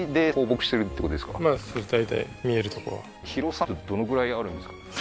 すごいどのぐらいあるんですか？